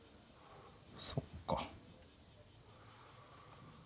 そっか